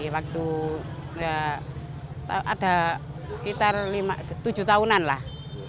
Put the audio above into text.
waktu ada sekitar tujuh tahunan lah